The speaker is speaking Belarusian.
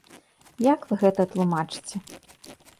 Як вы гэта тлумачыце?